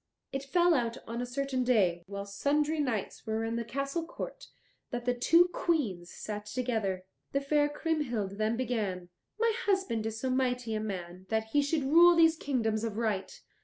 It fell out on a certain day, while sundry knights were in the castle court, that the two Queens sat together. The fair Kriemhild then began, "My husband is so mighty a man that he should rule these kingdoms of right."